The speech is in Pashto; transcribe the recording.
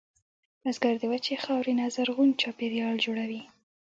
بزګر د وچې خاورې نه زرغون چاپېریال جوړوي